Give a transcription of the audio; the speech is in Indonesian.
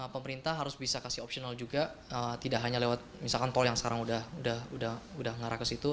pemerintah harus bisa kasih opsional juga tidak hanya lewat misalkan tol yang sekarang udah ngarah ke situ